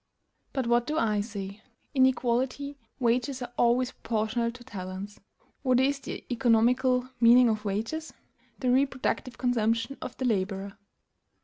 But, what do I say? In equality wages are always proportional to talents. What is the economical meaning of wages? The reproductive consumption of the laborer.